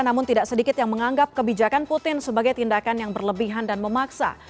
namun tidak sedikit yang menganggap kebijakan putin sebagai tindakan yang berlebihan dan memaksa